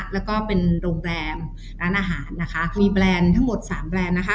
แล้วก็เป็นโรงแรมร้านอาหารนะคะมีแบรนด์ทั้งหมดสามแบรนด์นะคะ